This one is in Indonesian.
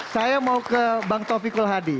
saya mau ke bang taufiq kulhadi